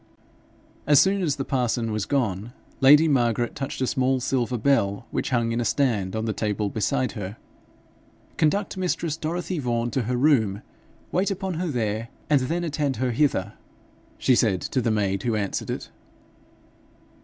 As soon as the parson was gone, lady Margaret touched a small silver bell which hung in a stand on the table beside her. 'Conduct mistress Dorothy Vaughan to her room, wait upon her there, and then attend her hither,' she said to the maid who answered it.